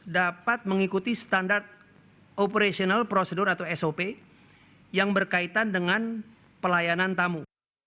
dapat mengikuti standar operational procedure atau sop yang berkaitan dengan pelayanan tamu